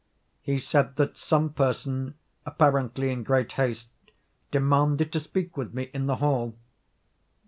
He said that some person, apparently in great haste, demanded to speak with me in the hall.